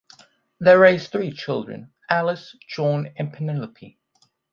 They raised three children, Alice, John and Penelope.